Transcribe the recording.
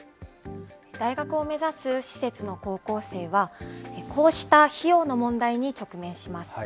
大学を目指す施設の高校生は、こうした費用の問題に直面します。